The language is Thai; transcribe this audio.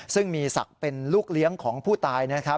ซึ่งมีศักดิ์เป็นลูกเลี้ยงของผู้ตายนะครับ